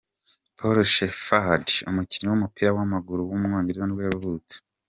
Paul Shepherd, umukinnyi w’umupira w’amaguru w’umwongereza nibwo yavutse.